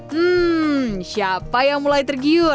hmm siapa yang mulai tergiur